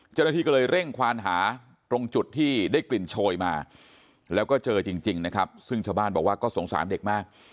เจ้าหน้าที่ก็เลยเร่งควานหาตรงจุดที่ได้กลิ่นโชยมาแล้วก็เจอจริงนะครับซึ่งชาวบ้านบอกว่าก็สงสารเด็กมาก